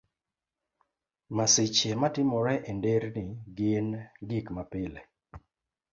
Masiche matimore e nderni gin gik mapile.